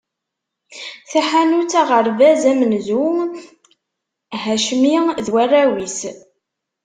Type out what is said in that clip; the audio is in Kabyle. Taḥanut, aɣerbaz amenzu Hacmi d warraw-is.